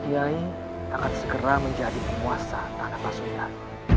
kiai akan segera menjadi penguasa tanah pasukan